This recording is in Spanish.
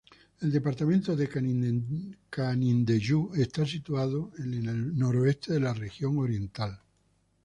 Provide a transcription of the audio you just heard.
El Departamento de Canindeyú está situado en el noreste de la Región Oriental.